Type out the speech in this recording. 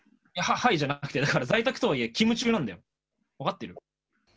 はいじゃなくて在宅とはいえ勤務中なんだよ、分かってる。